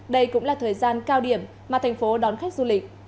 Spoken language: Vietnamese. đây cũng là thời gian cao điểm mà thành phố đón khách du lịch